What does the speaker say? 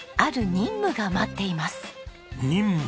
任務？